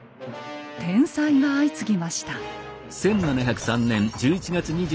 天災が相次ぎました。